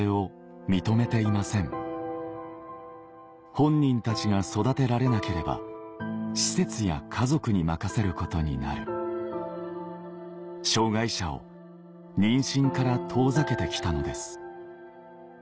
本人たちが育てられなければ施設や家族に任せることになる障害者を妊娠から遠ざけてきたのです